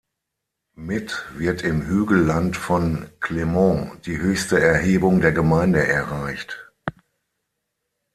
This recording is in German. Mit wird im Hügelland von Clermont die höchste Erhebung der Gemeinde erreicht.